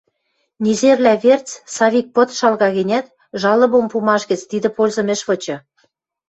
Незервлӓ верц Савик пыт шалга гӹнят, жалобым пумаш гӹц тидӹ пользым ӹш вычы.